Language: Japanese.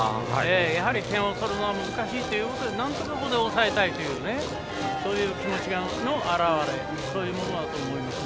やはり点を取るのは難しいということでなんとかここで抑えたいという気持ちの表れだと思います。